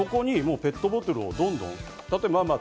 そこにペットボトルをどんどんと。